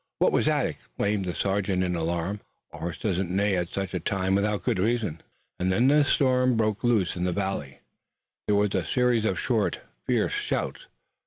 "What was that?" exclaimed the sergeant in alarm. "A horse does not neigh at such a time without good reason!" And then the storm broke loose in the valley. There was a series of short, fierce shouts.